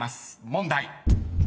問題］